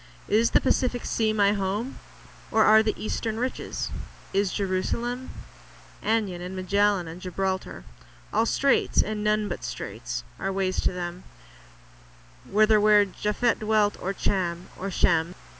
Is the Pacific sea my home ? Or are The eastern riches ? Is Jerusalem ? Anyan, and Magellan, and Gibraltar ? All straits, and none but straits, are ways to them Whether where Japhet dwelt, or Cham, or Shem.